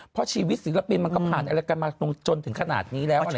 เพราะชีวิตศิลปินมันก็ผ่านอะไรกันมาจนถึงขนาดนี้แล้ว